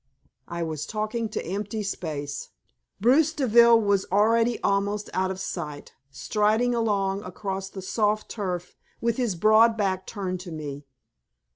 I was talking to empty space. Bruce Deville was already almost out of sight, striding along across the short turf, with his broad back turned to me.